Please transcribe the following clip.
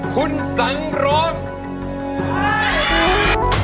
คุณสังร้อง